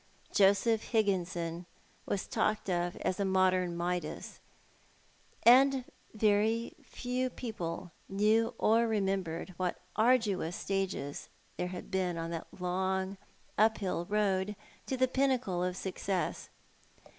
Joseph Higginson was talked of as a modern Midas; and very few people knew or remembered what arduous stages there had been on that long uphill riad to the pinnacle of success.